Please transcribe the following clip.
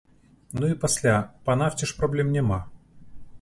Ну і пасля, па нафце ж праблем няма.